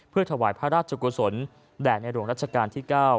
เพื่อถวายพระราชกุศลแด่ในหลวงรัชกาลที่๙